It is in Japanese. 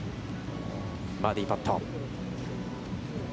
バーディーパット。